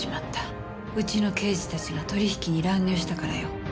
うちの刑事たちが取引に乱入したからよ。